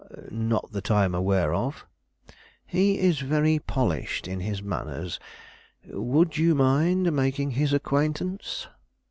"Not that I am aware of." "He is very polished in his manners; would you mind making his acquaintance?"